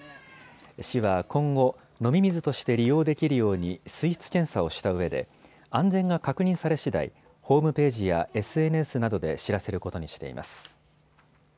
市は今後、飲み水として利用できるように水質検査をしたうえで安全が確認されしだいホームページやＳＮＳなどで知らせることにしています。